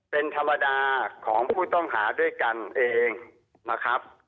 เป็นธรรมดาของผู้ต้องหาด้วยกันเองนะครับ